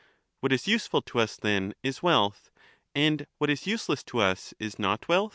What is useful to us, then, is wealth, and what is Wealth is use useless to us is not wealth?